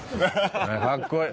かっこいい。